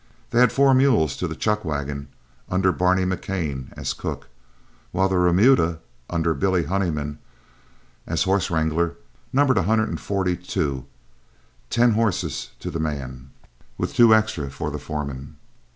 They had four mules to the "chuck" wagon under Barney McCann as cook, while the remuda, under Billy Honeyman as horse wrangler, numbered a hundred and forty two, ten horses to the man, with two extra for the foreman.